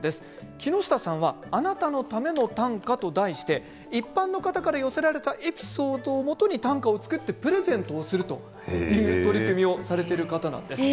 木下さんは「あなたのための短歌」と題して一般の方から寄せられたエピソードをもとに短歌を作ってプレゼントをするという取り組みをされている方です。